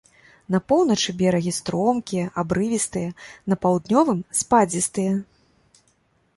На поўначы берагі стромкія, абрывістыя, на паўднёвым спадзістыя.